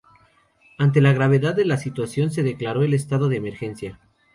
Ante la gravedad de la situación se declaró el estado de emergencia.